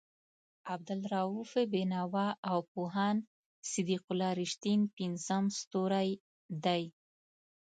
عبالرؤف بېنوا او پوهاند صدیق الله رښتین پنځم ستوری دی.